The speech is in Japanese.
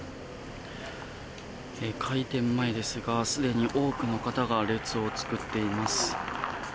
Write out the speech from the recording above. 開店前ですがすでに多くの方が列を作っています。